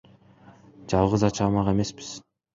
Жалгыз ача алмак эмеспиз.